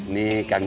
nih kang dadang